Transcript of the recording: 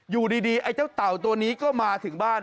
อยู่ดีไอ้เจ้าเต่าตัวนี้ก็มาถึงบ้าน